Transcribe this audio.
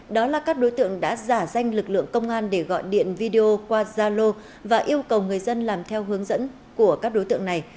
đó là các đối tượng đã giả danh lực lượng công an để gọi điện video qua zalo và yêu cầu người dân làm theo hướng dẫn của các đối tượng này